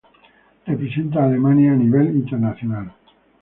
Representa a Alemania a nivel internacional.